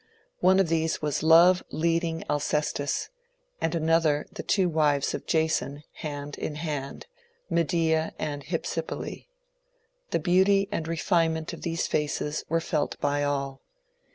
One of these was Love leading Alcestis, and another the two wives of Jason hand in hand — Medea and Hypsipyle. The beauty and re finement of these faces were felt by all.